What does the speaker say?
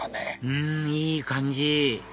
うんいい感じ